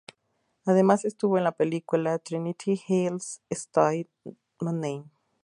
Además estuvo en la película "Trinity Is still My Name!